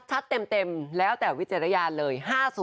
ชัดเต็มแล้วแต่วิเจรยาเลย